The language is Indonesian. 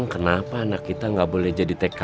kenapa anak kita tidak boleh jadi tkaw